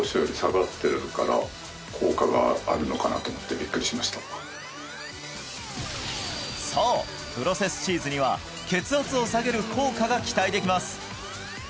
これだけねそうプロセスチーズには血圧を下げる効果が期待できます